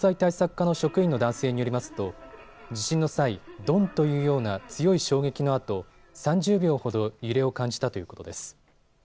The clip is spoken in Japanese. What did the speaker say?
課の職員の男性によりますと地震の際ドンというような強い衝撃のあと３０秒ほど揺れを感じたということです。